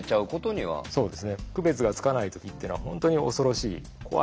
区別がつかない時っていうのは本当に恐ろしい怖い。